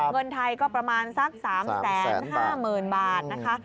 เงินไทยก็ประมาณสัก๓๕๐๐๐บาทนะคะ